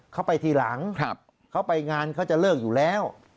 เขาไปทีหลังเขาไปงานเขาจะเลิกอยู่แล้ว